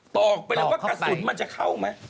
อกไปเลยว่ากระสุนมันจะเข้าไหม